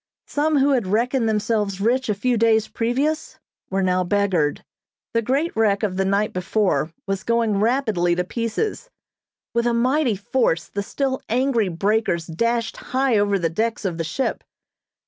Some who had reckoned themselves rich a few days previous were now beggared. The great wreck of the night before was going rapidly to pieces. With a mighty force, the still angry breakers dashed high over the decks of the ship.